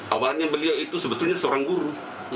awalnya beliau itu sebetulnya seorang guru